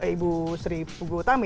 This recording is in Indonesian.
ibu sri pugutami